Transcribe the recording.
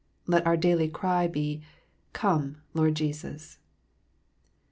Let our daily cry be, " Come, Lord Jesus."